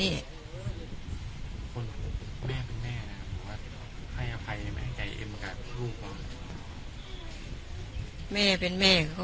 คนแม่เป็นแม่นะครับว่าให้อภัยให้ไหมใจเอ็มกับลูกก่อน